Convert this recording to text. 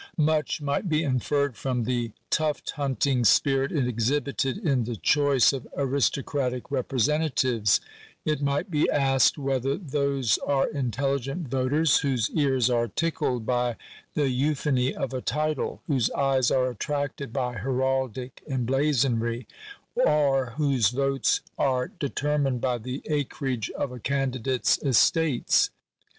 Much might be inferred from the tuft hunting spirit exhibited in the choice of aristocratic representatives. It might be asked Digitized by VjOOQIC THE CONSTITUTION OF THE STATE. 238 whether those are intelligent voters whose ears are tickled hy the euphony of a title, whose eyes are attracted hy heraldio emblazonry, or whose votes are determined by the acreage of a candidate 8 estates.